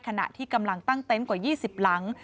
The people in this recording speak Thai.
ขณะที่กำลังตั้งเต็นต์กว่า๒๐หลัง